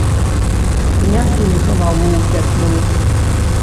Не сунь галаву ў пятлю!